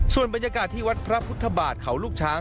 ส่วนบรรยากาศที่วัดพระพุทธบาทเขาลูกช้าง